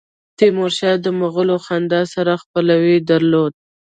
تیمورشاه د مغولو خاندان سره خپلوي درلوده.